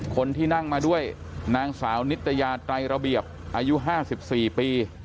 คนที่นั่งมาด้วยนางสาวนิตยาไตรระเบียบอายุ๕๔ปี